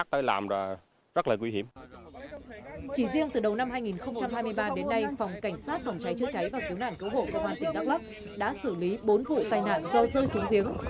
của hoàn tỉnh đắk lóc đã xử lý bốn vụ tai nạn do rơi xuống giếng